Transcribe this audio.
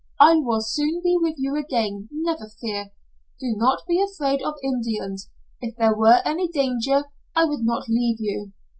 I will soon be with you again, never fear. Do not be afraid of Indians. If there were any danger, I would not leave you.